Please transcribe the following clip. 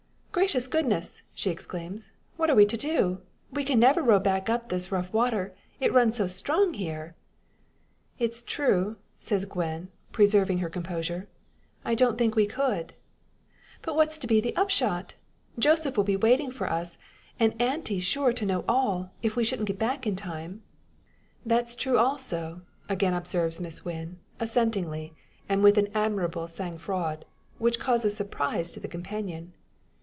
"Gracious goodness!" she exclaims, "what are we to do? We can never row back up this rough water it runs so strong here!" "That's true," says Gwen, preserving her composure. "I don't think we could." "But what's to be the upshot? Joseph will be waiting for us, and auntie sure to know all if we shouldn't get back in time." "That's true also," again observes Miss Wynn, assentingly, and with an admirable sang froid, which causes surprise to the companion.